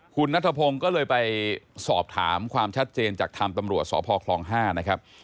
คุณนัทพงศ์ก็เลยไปสอบถามความชัดเจนจากทางตำรวจสพคลอง๕นะครับ